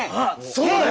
そうだよ！